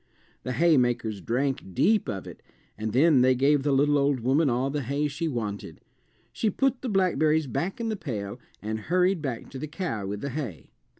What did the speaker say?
The haymakers drank deep of it and then they gave the little old woman all the hay she wanted. She put the blackberries back in the pail and hurried back to the cow with the hay.